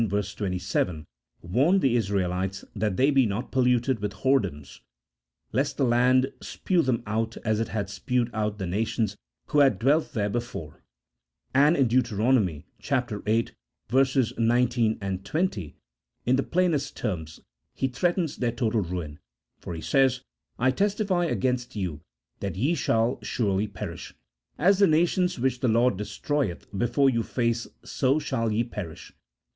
27) warned the Israelites that they be not polluted with whoredoms, lest the land spue them out as it had spued out the nations who had dwelt there before, and in Deut. viii. 19, 20, in the plainest terms He threatens their total ruin, for He says, " I testify against you that ye shall surely perish. As the nations which the Lord de 6troyeth before your face, so shall ye perish."